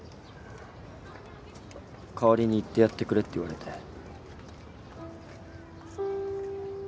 代わりに行ってやってくれって言われて。